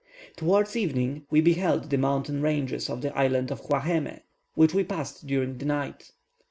Towards evening, we beheld the mountain ranges of the island of Huaheme, which we passed during the night.